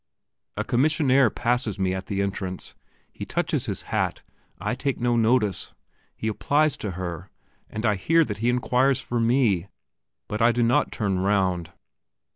A commissionaire passes me at the entrance. He touches his hat; I take no notice; he applies to her; and I hear that he inquires for me, but I do not turn round.